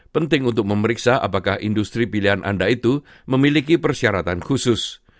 penting untuk memeriksa apakah industri pilihan anda itu memiliki persyaratan khusus